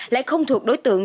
lại không thuộc đối tượng